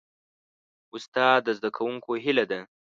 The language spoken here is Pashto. استاد د زدهکوونکو هیله ده.